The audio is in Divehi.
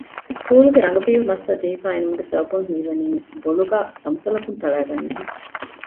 ސުކޫލުގެ ރަނގަބީލު މައްސަލަ ޖެހިފައި އިނުމުގެ ސަބަބުން ހީވަނީ ބޮލުގައި ސަމުސަލަކުން ތަޅައިގަންނަހެން